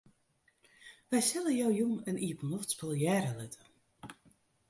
Wy sille jo jûn in iepenloftspul hearre litte.